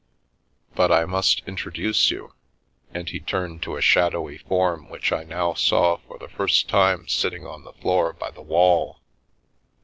But I must introduce you " and he turned to a shadowy form which I now saw for the first time sitting on the floor by the wall.